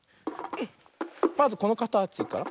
まずこのかたちから。